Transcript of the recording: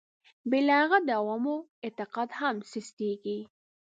بې له هغه د عوامو اعتقاد هم سستېږي.